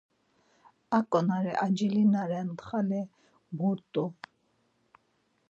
Aǩonari acili na ren xali mu rt̆u?